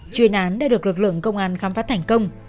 chuyên án đã được lực lượng công an khám phá thành công